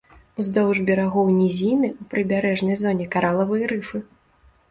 Уздоўж берагоў нізіны, у прыбярэжнай зоне каралавыя рыфы.